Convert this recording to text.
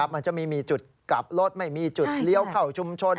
มันจะไม่มีจุดกลับรถไม่มีจุดเลี้ยวเข้าชุมชน